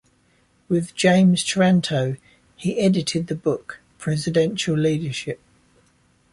With James Taranto, he edited the book Presidential Leadership.